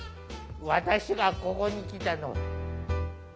私がここに来たの。